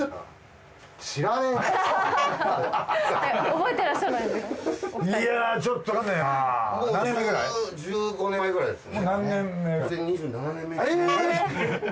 覚えていらっしゃらないですか？